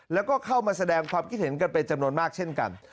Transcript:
แล้วก็เข้ามาแสดงความคิดเห็นกันเป็นจำนวนมากเช่นกัน